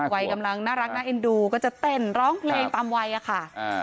วัยกำลังน่ารักน่าเอ็นดูก็จะเต้นร้องเพลงตามวัยอะค่ะ